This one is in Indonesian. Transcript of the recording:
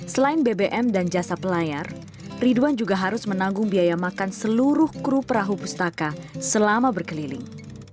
selain bbm dan jasa pelayar ridwan juga harus menanggung biaya makan seluruh kru perahu pustaka selama berkeliling